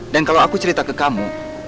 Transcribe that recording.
dan kalau aku cerita ke kamu